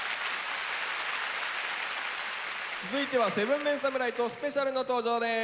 続いては７ＭＥＮ侍とＳｐｅｃｉａＬの登場です。